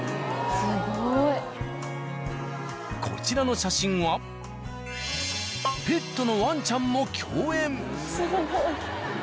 すごい。こちらの写真はペットのワンちゃんも共演。